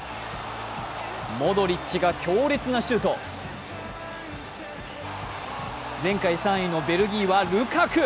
モドリッチが強烈なシュート前回３位のベルギーはルカク。